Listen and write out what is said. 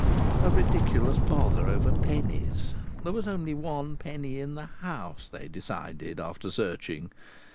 A ridiculous bother over pennies! There was only one penny in the house, they decided, after searching.